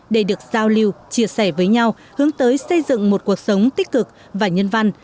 để được giao lưu chia sẻ với nhau hướng tới xây dựng một cuộc sống tích cực và nhân văn